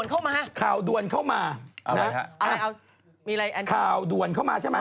ทำไมฮะข่าวด่วนเข้ามาฮะอะไรฮะอะไรข่าวด่วนเข้ามาใช่มั้ย